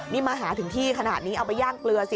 นี่มาหาถึงที่ขนาดนี้เอาไปย่างเกลือสิ